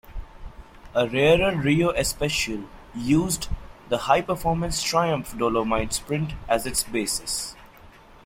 A rarer Rio Especial used the high-performance Triumph Dolomite Sprint as its basis.